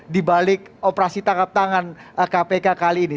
di balik operasi tangkap tangan kpk kali ini